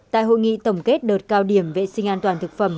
tại hội nghị tổng kết đợt cao điểm vệ sinh an toàn thực phẩm